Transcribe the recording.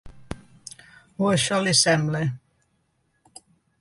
O això li sembla.